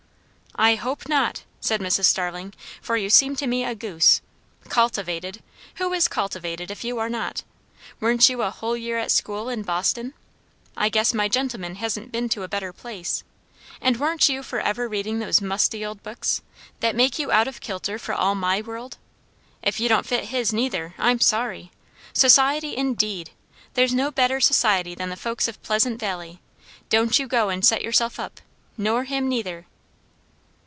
"I hope not!" said Mrs. Starling, "for you seem to me a goose. Cultivated! Who is cultivated, if you are not? Weren't you a whole year at school in Boston? I guess my gentleman hasn't been to a better place. And warn't you for ever reading those musty old books, that make you out of kilter for all my world. If you don't fit his neither, I'm sorry. Society indeed! There's no better society than the folks of Pleasant Valley. Don't you go and set yourself up; nor him neither."